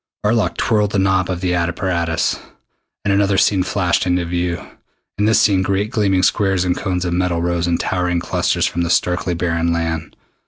Arlok twirled the knob of the apparatus, and another scene flashed into view. In this scene great gleaming squares and cones of metal rose in towering clusters from the starkly barren land.